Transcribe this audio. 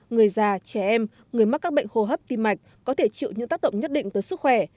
người già trẻ em người mắc các bệnh hô hấp tim mạch có thể chịu những tác động nhất định tới sức khỏe